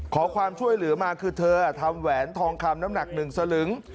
ขอความช่วยเหลือมาคือเธอทำแหวนทองคำน้ำหนัก๑สลึง